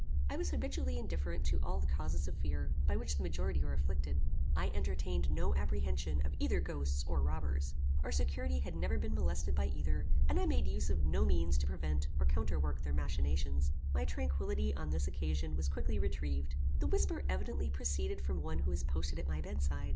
I was habitually indifferent to all the causes of fear, by which the majority are afflicted. I entertained no apprehension of either ghosts or robbers. Our security had never been molested by either, and I made use of no means to prevent or counterwork their machinations. My tranquillity, on this occasion, was quickly retrieved. The whisper evidently proceeded from one who was posted at my bed side.